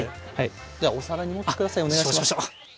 ではお皿に盛って下さいお願いします。